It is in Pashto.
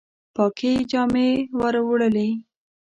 پاکي جامي وروړلي